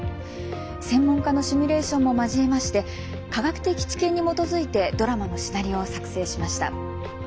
専門家のシミュレーションも交えまして科学的知見に基づいてドラマのシナリオを作成しました。